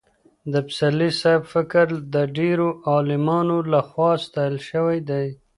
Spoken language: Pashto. د پسرلي صاحب فکر د ډېرو عالمانو له خوا ستایل شوی دی.